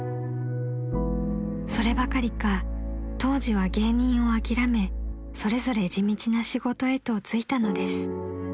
［そればかりか当時は芸人を諦めそれぞれ地道な仕事へと就いたのです］